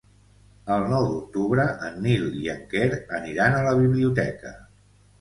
El nou d'octubre en Nil i en Quer aniran a la biblioteca.